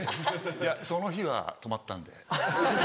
いやその日は泊まったんで。